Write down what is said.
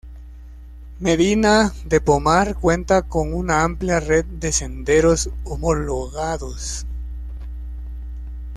Medina de Pomar cuenta con una amplia red de senderos homologados.